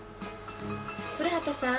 ・古畑さん。